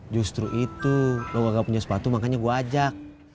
justru itu lo gak punya sepatu makanya gue ajak